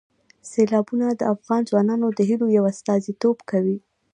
سیلابونه د افغان ځوانانو د هیلو یو استازیتوب کوي.